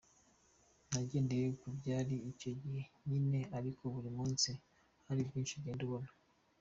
Nagendeye ku byariho icyo gihe nyine ariko buri munsi hari byinshi ugenda ubona.